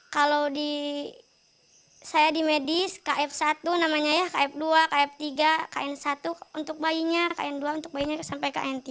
kalau saya di medis kf satu namanya ya kf dua kf tiga kn satu untuk bayinya kn dua untuk bayinya sampai kn tiga